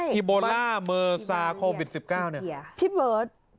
ใช่อิโบลล่าเมอร์ซาโควิด๑๙เลยนะพี่เบิร์ธ